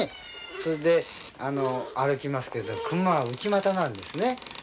それで歩きますけど熊は内股なんですね。